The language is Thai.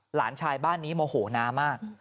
หลานชายบ้านนี้โมโหลานมาก